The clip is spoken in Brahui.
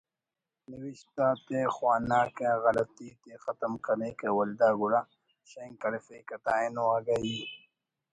نوشت آتے خواناکہ غلطی تے ختم کریکہ ولدا گڑا شینک کرفیکہ تا اینو اگہ ای